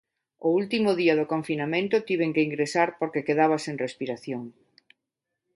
O último día do confinamento tiven que ingresar porque quedaba sen respiración.